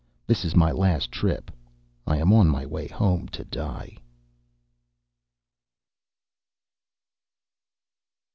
This is my last trip; I am on my way home to die.